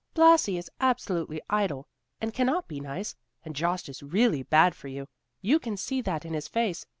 Blasi is absolutely idle, and cannot be nice, and Jost is really bad; you can see that in his face.